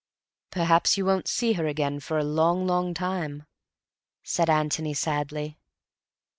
"Perhaps you won't see her again for a long, long time," said Antony sadly.